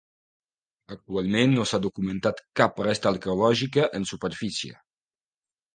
Actualment no s'ha documentat cap resta arqueològica en superfície.